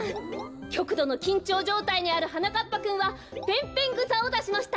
きょくどのきんちょうじょうたいにあるはなかっぱくんはペンペングサをだしました。